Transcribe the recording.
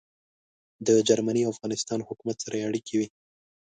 د جرمني او افغانستان حکومت سره يې اړیکې وې.